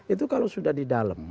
itu kalau sudah di dalam